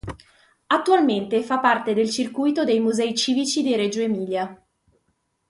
Attualmente fa parte del circuito dei Musei Civici di Reggio Emilia.